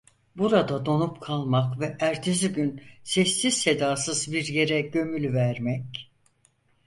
Burada donup kalmak ve ertesi gün sessiz sedasız bir yere gömülüvermek.